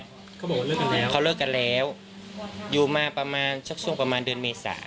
เขาบอกว่าเลิกกันแล้วเขาเลิกกันแล้วอยู่มาประมาณสักช่วงประมาณเดือนเมษา